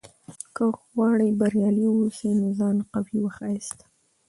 که غواړې بریالی واوسې؛ نو ځان قوي وښیاست.